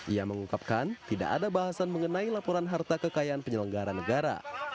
ia mengungkapkan tidak ada bahasan mengenai laporan harta kekayaan penyelenggara negara